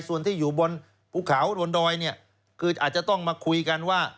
ส่วนที่อยู่บนภูเขาบนดอยเนี่ยคืออาจจะต้องมาคุยกันว่า